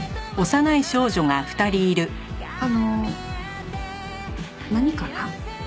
あの何かな？